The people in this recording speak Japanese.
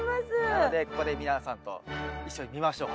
なのでここで皆さんと一緒に見ましょう。